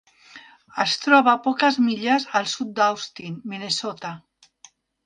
Es troba a poques milles al sud d'Austin, Minnesota.